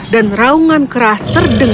dan raungan keras tergantung